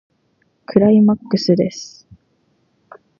クライマックスです。